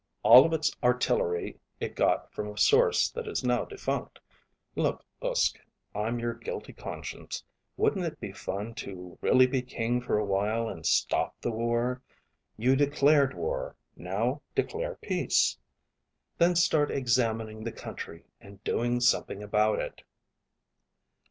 All of its artillery it got from a source that is now defunct. Look, Uske, I'm your guilty conscience. Wouldn't it be fun to really be king for a while and stop the war? You declared war. Now declare peace. Then start examining the country and doing something about it."